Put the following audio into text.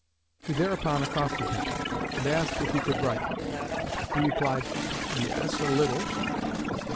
He thereupon accosted him, and asked if he could write. He replied, 'Yes, a little.'